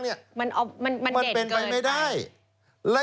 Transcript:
มันเด่นเกินไปมันเป็นไปไม่ได้มันเด่นเกินไป